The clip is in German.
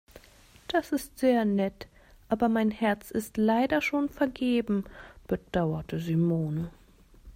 Das ist sehr nett, aber mein Herz ist leider schon vergeben, bedauerte Simone.